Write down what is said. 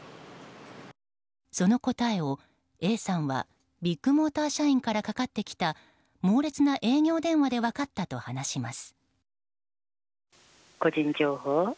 その答えをＡさんはビッグモーター社員からかかってきた猛烈な営業電話で分かったといいます。